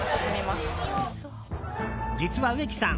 実は植木さん